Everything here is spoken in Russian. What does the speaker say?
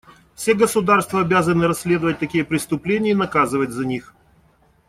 Все государства обязаны расследовать такие преступления и наказывать за них.